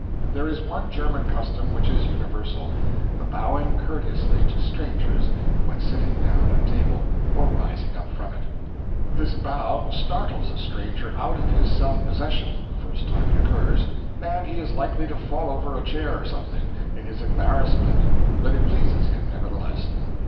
There is one German custom which is universal the bowing courteously to strangers when sitting down at table or rising up from it. This bow startles a stranger out of his self possession, the first time it occurs, and he is likely to fall over a chair or something, in his embarrassment, but it pleases him, nevertheless.